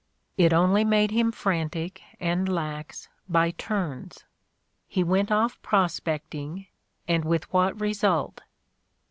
It only made him frantic and lax by turns. He went off prospecting, and with what result?